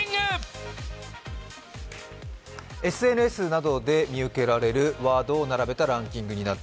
ＳＮＳなどで見受けられるワードを並べたランキングです。